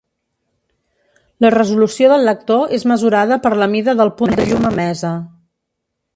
La resolució del lector és mesurada per la mida del punt de llum emesa.